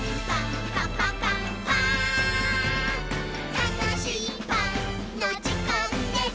「たのしいパンのじかんです！」